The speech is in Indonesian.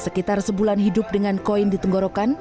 sekitar sebulan hidup dengan koin di tenggorokan